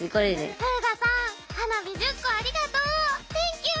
「フーガさん花火１０個ありがとう！テンキュー！